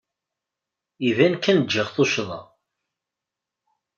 Iban kan giɣ tuccḍa.